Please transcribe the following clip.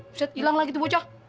bisa hilang lagi tuh bocah